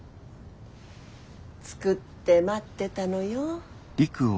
作って待ってたのよ。